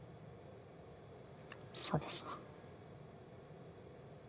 そうですね。